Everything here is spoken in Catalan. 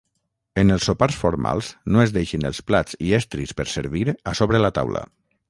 En els sopars formals no es deixen els plats i estris per servir a sobre la taula.